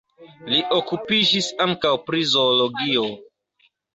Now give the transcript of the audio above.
Li okupiĝis ankaŭ pri zoologio.